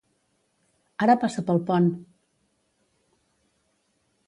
Ara passa pel pont.